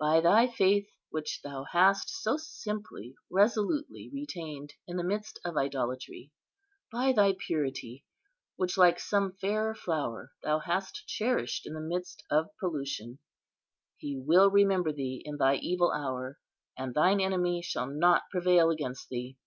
By thy faith, which thou hast so simply, resolutely retained in the midst of idolatry; by thy purity, which, like some fair flower, thou hast cherished in the midst of pollution, He will remember thee in thy evil hour, and thine enemy shall not prevail against thee!